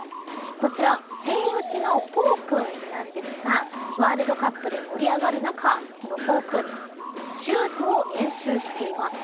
こちらセイウチのポウ君なんですがワールドカップで盛り上がる中このポウ君シュートを練習しています。